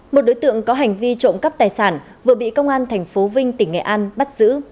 một đối tượng có hành vi trộm cắp tài sản vừa bị công an tp vinh tỉnh nghệ an bắt giữ